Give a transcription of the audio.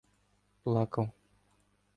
плакав.